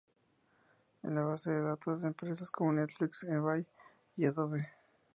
Es la base de datos de empresas como Netflix, eBay y Adobe.